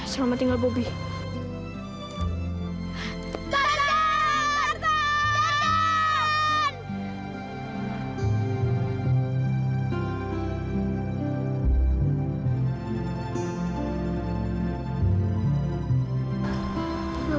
selamat tinggal bobby